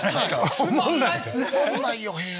つまんないよ平安。